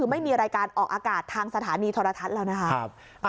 ไม่มีรายการออกอากาศทางสถานีโทรทัศน์แล้วนะคะ